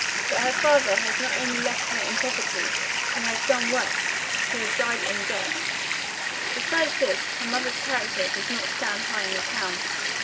But her father has not only left her in poverty, he has done worse he has died in debt. Besides this, her mother's character does not stand high in the town.